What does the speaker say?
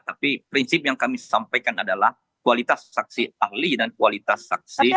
tapi prinsip yang kami sampaikan adalah kualitas saksi ahli dan kualitas saksi